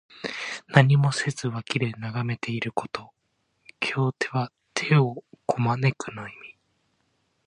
何もせずに脇で眺めていること。「拱手」は手をこまぬくの意味。